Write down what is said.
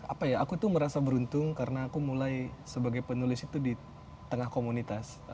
apa ya aku tuh merasa beruntung karena aku mulai sebagai penulis itu di tengah komunitas